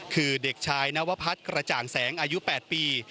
คือเด็กชายนวพัฒน์กระจ่างแสงอายุ๘ปี